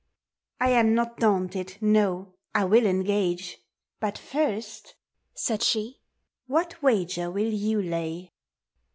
I am noi daunted, no; I will engage. Kui first, said she, what wager will yon lay?